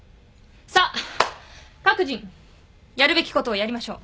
さあ各人やるべきことをやりましょう。